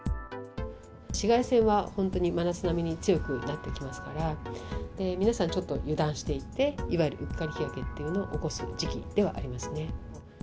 紫外線は本当に真夏並みに強くなってきますから、皆さん、ちょっと油断していて、いわゆるうっかり日焼けっていうのを起こす時期ではありますね。